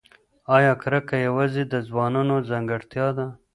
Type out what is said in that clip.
ایا کرکه یوازې د ځوانانو ځانګړتیا ده؟